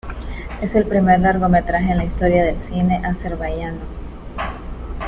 Es el primer largometraje en la historia del cine azerbaiyano.